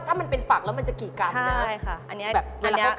ถ้ามันเป็นฝักแล้วมันจะกี่กรัมนะ